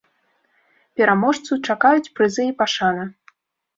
Пераможцу чакаюць прызы і пашана.